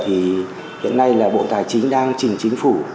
thì hiện nay là bộ tài chính đang trình chính phủ